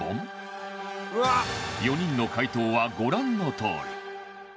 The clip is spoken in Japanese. ４人の解答はご覧のとおり